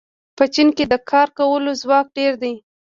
په چین کې د کار کولو ځواک ډېر دی.